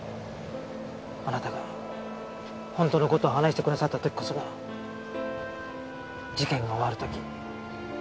あなたが本当の事を話してくださった時こそが事件が終わる時。